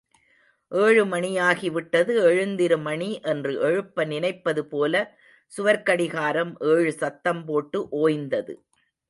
ஏழு மணியாகிவிட்டது எழுந்திரு மணி என்று எழுப்ப நினைப்பது போல சுவர்க் கடிகாரம் ஏழு சத்தம் போட்டு ஒய்ந்தது.